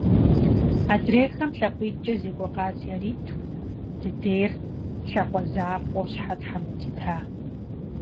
Адрейхэм лъакъуитӀкӀэ зекӀуэ къаз яриту, дыдейр лъакъуэ закъуэу щхьэ Тхьэм къыдита!